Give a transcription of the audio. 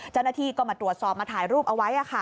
เจ้าหน้าที่ก็มาตรวจสอบมาถ่ายรูปเอาไว้